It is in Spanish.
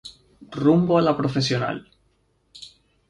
Rumbo a la Profesional.